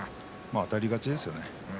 あたり勝ちですよね。